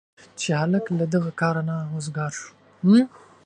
چې هلک له دغه کاره نه وزګار شو.